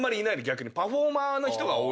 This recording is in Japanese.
パフォーマーの人が多いんで。